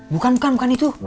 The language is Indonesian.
bukan bukan bukan itu